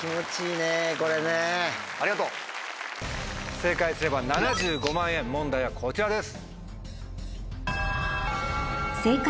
正解すれば７５万円問題はこちらです。